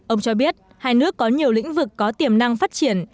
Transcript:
ông cho biết hai nước có nhiều lĩnh vực có tiềm năng phát triển